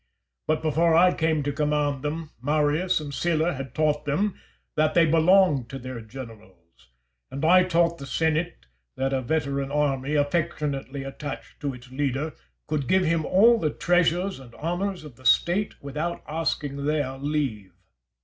But before I came to command them, Marius and Sylla had taught them that they belonged to their generals. And I taught the senate that a veteran army, affectionately attached to its leader, could give him all the treasures and honours of the State without asking their leave.